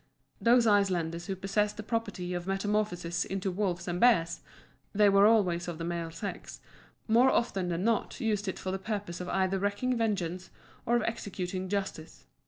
Those Icelanders who possessed the property of metamorphosis into wolves and bears (they were always of the male sex), more often than not used it for the purpose of either wreaking vengeance or of executing justice.